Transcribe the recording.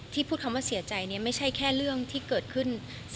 พูดคำว่าเสียใจไม่ใช่แค่เรื่องที่เกิดขึ้น